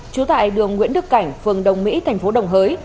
trú tại đường nguyễn đức cảnh phường đông mỹ tp đồng hới